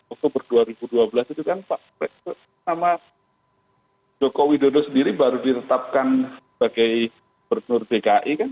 oktober dua ribu dua belas itu kan pak nama joko widodo sendiri baru ditetapkan sebagai bernur dki kan